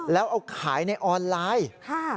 แล้วเอาขายในออนไลน์